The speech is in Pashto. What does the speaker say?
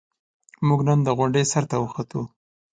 موږ نن د غونډۍ سر ته وخوتو.